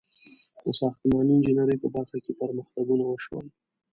• د ساختماني انجینرۍ په برخه کې پرمختګونه وشول.